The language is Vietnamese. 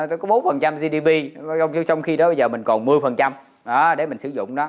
nó có bốn phần trăm gdp trong khi đó bây giờ mình còn mươi phần trăm đó để mình sử dụng đó